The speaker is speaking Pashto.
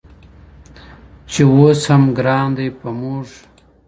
چې اوس هم ګران دی په موږ؟